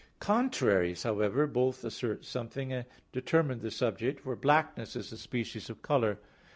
Contraries, however, both assert something and determine the subject, for blackness is a species of color.